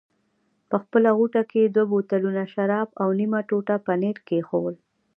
په خپله غوټه کې یې دوه بوتلونه شراب او نیمه ټوټه پنیر کېښوول.